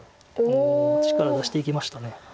おお力出していきました。